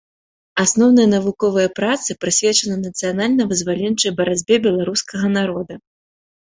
Асноўныя навуковыя працы прысвечаны нацыянальна-вызваленчай барацьбе беларускага народа.